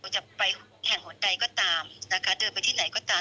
จะไปแห่งหนใดก็ตามนะคะเดินไปที่ไหนก็ตาม